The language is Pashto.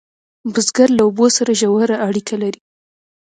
بزګر له اوبو سره ژوره اړیکه لري